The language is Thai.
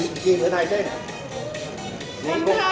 มันเป็นสิ่งที่เราไม่รู้สึกว่า